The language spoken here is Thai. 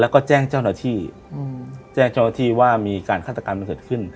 แล้วก็แจ้งเจ้าหน้าที่แจ้งเจ้าหน้าที่ว่ามีการฆาตกรรมมันเกิดขึ้น